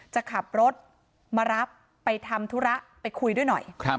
จะขับรถมารับไปทำธุระไปคุยด้วยหน่อย